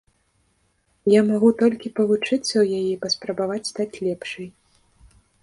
Я магу толькі павучыцца ў яе і паспрабаваць стаць лепшай.